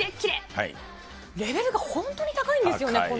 レベルが本当に高いんですよね、